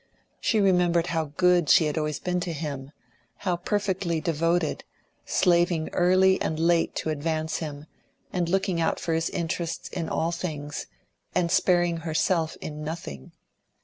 She remembered how good she had always been to him, how perfectly devoted, slaving early and late to advance him, and looking out for his interests in all things, and sparing herself in nothing.